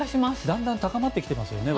だんだん高まってきてますよね。